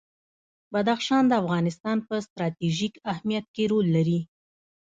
بدخشان د افغانستان په ستراتیژیک اهمیت کې رول لري.